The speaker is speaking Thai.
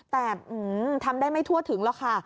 แต่ทำได้ไม่ทั่วถึงหรอกค่ะ